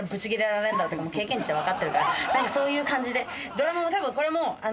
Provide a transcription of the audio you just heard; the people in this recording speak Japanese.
何かそういう感じで。